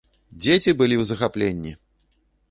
Дзеці былі ў захапленні!